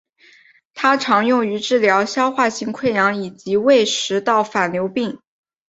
它常用于治疗消化性溃疡以及胃食管反流病。